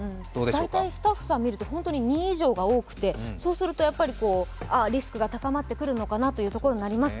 大体、スタッフさんを見ると２以上が多くてそうするとリスクが高まってくるのかなというところになります。